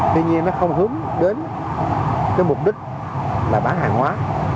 tuy nhiên nó không hướng đến cái mục đích là bán hàng hóa